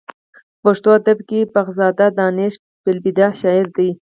په پښتو ادب کې بخزاده دانش فې البدیه شاعر دی.